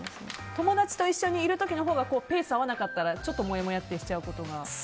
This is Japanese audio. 友達と一緒にいる時のほうがペースが合わなかったらちょっともやもやってしちゃうことが？